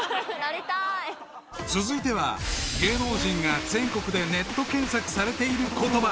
［続いては芸能人が全国でネット検索されている言葉］